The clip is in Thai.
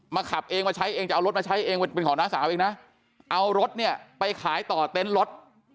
ขับเองมาใช้เองจะเอารถมาใช้เองเป็นของน้าสาวเองนะเอารถเนี่ยไปขายต่อเต็นต์รถ